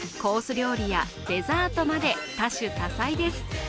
料理やデザートまで、多種多彩です。